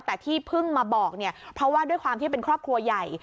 แต่ที่เพิ่งมาบอกเนี่ยเพราะว่าด้วยความที่เป็นครอบครัวใหญ่